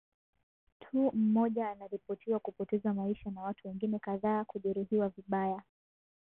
tu mmoja anaripotiwa kupoteza maisha na watu wengine kadhaa kujeruhiwa vibaya